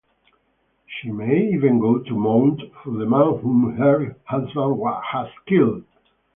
She may even go to mourn for the man whom her husband has killed.